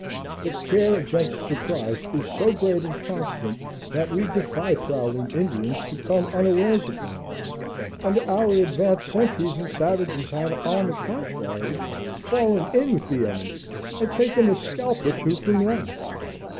The care against surprise is so great and constant, that we defy prowling Indians to come unawares upon us, and our advanced sentries and savages have on the contrary fallen in with the enemy and taken a scalp or two from them.